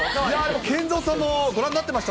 ＫＥＮＺＯさんもご覧になってました？